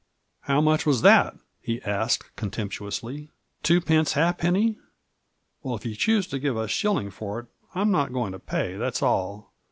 "How much was that?" he asked, contemptuously, "twopence halfpenny? Well, if you choose to give a shilling for it, I'm not going to pay, that's all.